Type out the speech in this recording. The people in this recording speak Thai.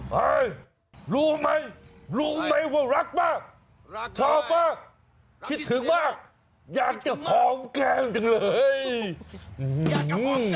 เฮ้ยรู้ไหมรู้ไหมว่ารักมากชอบมากคิดถึงมากอยากจะของแก้มจังเลย